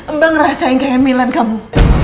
mbak ngerasain kayak milan kamu